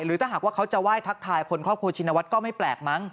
ถ้าหากว่าเขาจะไหว้ทักทายคนครอบครัวชินวัฒน์ก็ไม่แปลกมั้ง